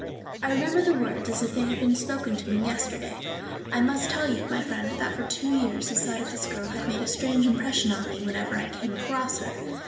I remember the words as if they had been spoken to me yesterday. I must tell you, my friend, that for two years the sight of this girl had made a strange impression on me whenever I came across her.